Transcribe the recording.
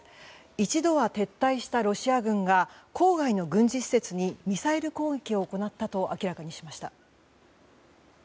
一度は撤退したロシア軍が郊外の軍事施設にミサイル攻撃を行ったと明らかにしました。